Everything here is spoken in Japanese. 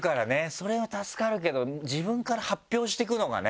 それは助かるけど自分から発表していくのがね。